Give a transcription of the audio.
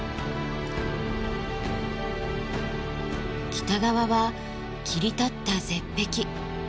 北側は切り立った絶壁。